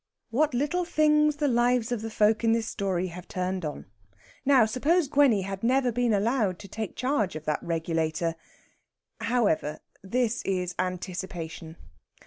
What little things the lives of the folk in this story have turned on! Now, suppose Gwenny had never been allowed to take charge of that regulator! However, this is anticipation.